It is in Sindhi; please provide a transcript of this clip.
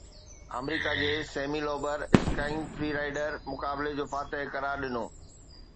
آمريڪا جي سيمي لوبر اسڪائينگ فري رائيڊ مقابلي جو فاتح قرار ڏنو